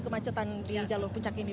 kemacetan di jalur puncak ini